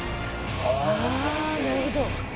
ああなるほど。